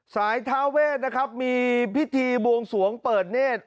ทาเวทนะครับมีพิธีบวงสวงเปิดเนธ